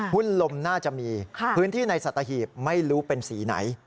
หุ้นลมน่าจะมีพื้นที่ในสัตหีบไม่รู้เป็นสีไหน